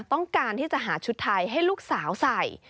ต้องการที่จะหาชุดไทยให้ลูกสาวใส่